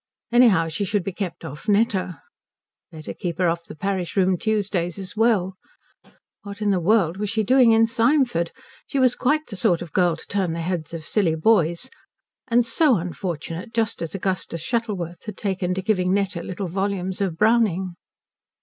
Anyhow she should be kept off Netta. Better keep her off the parish room Tuesdays as well. What in the world was she doing in Symford? She was quite the sort of girl to turn the heads of silly boys. And so unfortunate, just as Augustus Shuttleworth had taken to giving Netta little volumes of Browning.